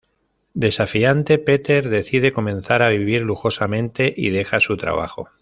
Desafiante, Peter decide comenzar a vivir lujosamente, y deja su trabajo.